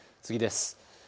次です。